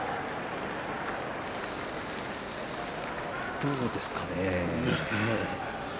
どうですかね。